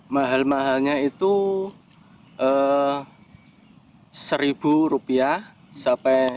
mahal mahalnya itu satu rupiah sampai satu lima ratus